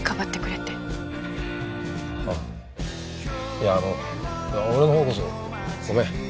いやあの俺のほうこそごめん。